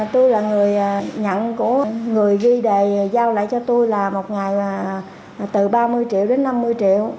tôi là người nhận của người ghi đề giao lại cho tôi là một ngày là từ ba mươi triệu đến năm mươi triệu